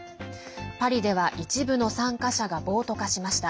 パリでは一部の参加者が暴徒化しました。